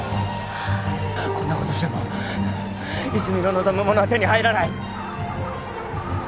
こんなことしても泉の望むものは手に入らない。